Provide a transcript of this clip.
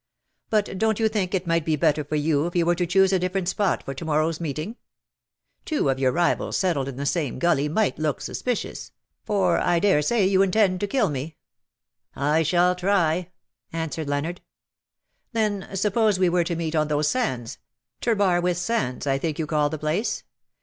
But don't you think it might be better for you if we were to choose a different AND SUCH DEADLY FRUIT/^ 235 spot for to morrow^s meeting ? Two of your rivals settled in the same gully might look suspicious — for I dare say you intend to kill me." " I shall try/' answered Leonard. ^' Then suppose we were to meet on those sands — Trebarwith Sands, I think you call the place.